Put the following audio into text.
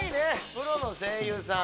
プロの声優さん